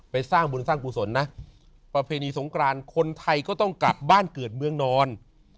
สร้างบุญสร้างกุศลนะประเพณีสงกรานคนไทยก็ต้องกลับบ้านเกิดเมืองนอน